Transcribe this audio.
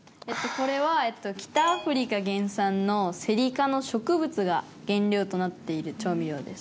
えっとこれは北アフリカ原産のセリ科の植物が原料となっている調味料です。